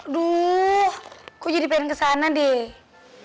duh kok jadi pengen kesana deh